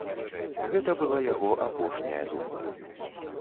Гэта была яго апошняя думка.